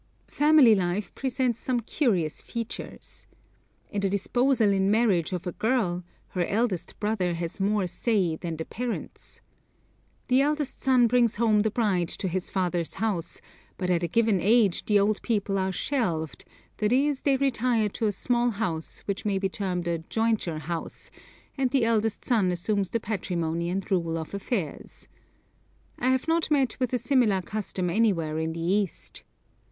Family life presents some curious features. In the disposal in marriage of a girl, her eldest brother has more 'say' than the parents. The eldest son brings home the bride to his father's house, but at a given age the old people are 'shelved,' i.e. they retire to a small house, which may be termed a 'jointure house,' and the eldest son assumes the patrimony and the rule of affairs. I have not met with a similar custom anywhere in the East.